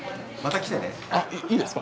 あっいいですか？